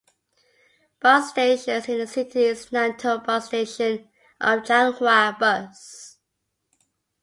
Bus stations in the city is Nantou Bus Station of Changhua Bus.